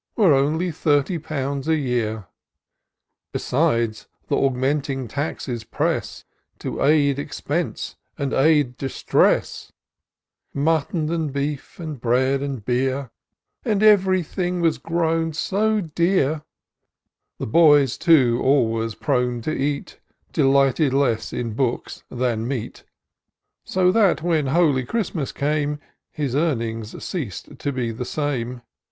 Were only thirty pounds a year. Besides, th' augmenting taxes press. To aid expense and add distress : Mutton and beef, and bread and beer. And ev'ry thing was grown so dear ; The boys, too, always pxone to eat. Delighted less in books than meat ; So that, when holy Qiristmas came. His earnings ceas'd to be the same.